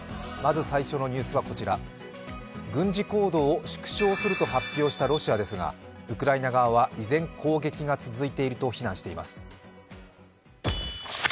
まず最初のニュースはこちら軍事行動を縮小すると発表したロシアですが、ウクライナ側は依然攻撃が続いていると非難しています。